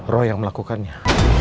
roy yang melakukannya